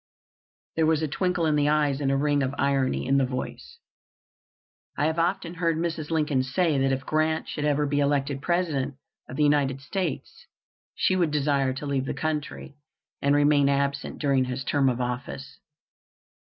There was a twinkle in the eyes, and a ring of irony in the voice. I have often heard Mrs. Lincoln say that if Grant should ever be elected President of the United States she would desire to leave the country, and remain absent during his term of office.